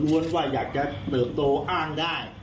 ว่าอยากจะเติบโตอ้างได้